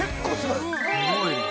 すごいね。